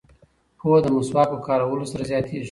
پوهه د مسواک په کارولو سره زیاتیږي.